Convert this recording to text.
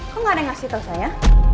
kok gak ada yang ngasih tahu saya